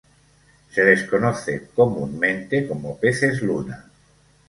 Se les conoce comúnmente como peces luna.